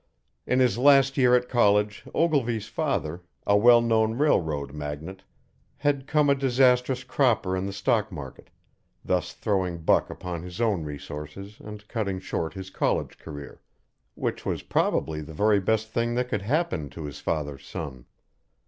In his last year at college Ogilvy's father, a well known railroad magnate, had come a disastrous cropper in the stock market, thus throwing Buck upon his own resources and cutting short his college career which was probably the very best thing that could happen to his father's son.